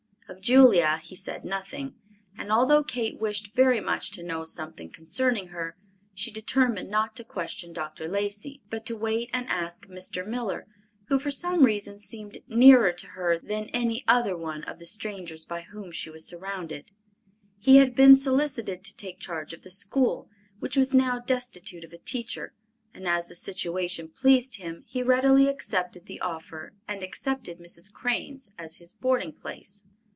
Of Julia he said nothing, and although Kate wished very much to know something concerning her, she determined not to question Dr. Lacey, but to wait and ask Mr. Miller, who, for some reason, seemed nearer to her than any other one of the strangers by whom she was surrounded. He had been solicited to take charge of the school, which was now destitute of a teacher, and as the situation pleased him, he readily accepted the offer and accepted Mrs. Crane's as his boarding place.